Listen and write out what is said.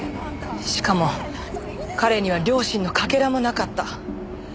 しかも彼には良心のかけらもなかった。